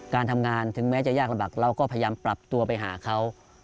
การทำงานถึงแม้จะยากลำบากเราก็พยายามปรับตัวไปหาเขา